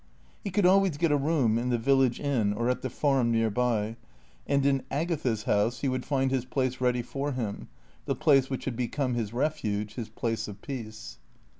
He could always get a room in the village inn or at the Farm near by, and in Agatha's house he would find his place ready for him, the place which had become his refuge, his place of peace.